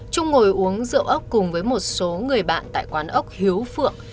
trung ngồi uống rượu ốc cùng với một số người bạn tại quán ốc hiếu phượng